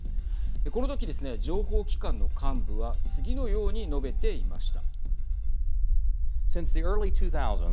この時ですね情報機関の幹部は次のように述べていました。